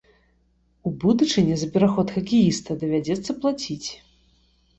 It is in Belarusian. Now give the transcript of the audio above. У будучыні за пераход хакеіста давядзецца плаціць.